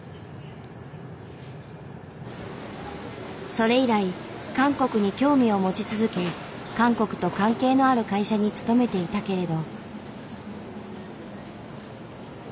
それ以来韓国に興味を持ち続け韓国と関係のある会社に勤めていたけれど。